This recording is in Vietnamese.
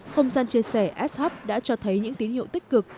không gian chia sẻ s hop đã cho thấy những tín hiệu tích cực